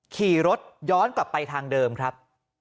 ขี่รถย้อนกลับไปทางเดิมครับ